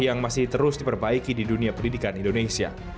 yang masih terus diperbaiki di dunia pendidikan indonesia